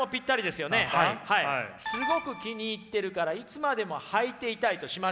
すごく気に入ってるからいつまでもはいていたいとしましょう。